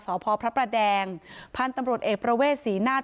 สพพระประแดงพันธุ์ตำรวจเอกประเวทศรีนาศ